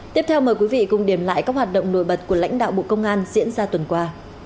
tiếp theo mời quý vị cùng điểm lại các hoạt động nổi bật của lãnh đạo bộ công an diễn ra tuần qua